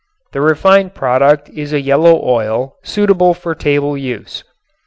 The refined product is a yellow oil, suitable for table use.